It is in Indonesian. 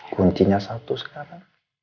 kuncinya satu sekarang